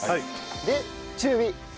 で中火！